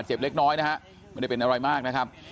เจ็บเล็กน้อยนะฮะไม่ได้เป็นอะไรมากนะครับ